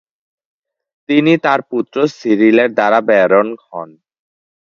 তিনি তার পুত্র সিরিলের দ্বারা ব্যারন হন।